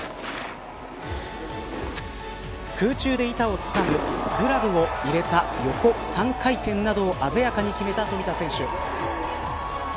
空中で板をつかむグラブを入れた横３回転などを鮮やかに決めた冨田選手。